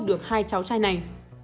được hai cháu trai này